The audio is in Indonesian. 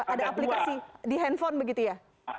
ada aplikasi di handphone begitu ya